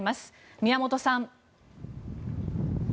宮本さん。